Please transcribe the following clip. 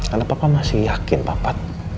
karena papa masih yakin papa